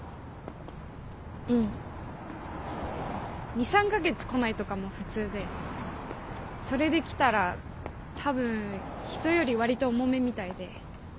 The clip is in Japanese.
２３か月こないとかも普通でそれできたら多分人より割と重めみたいで。